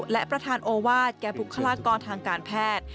และประธานโอวาสแก่บุคลากรทางการแพทย์